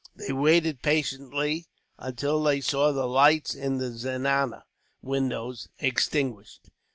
They waited patiently, until they saw the lights in the zenana windows extinguished.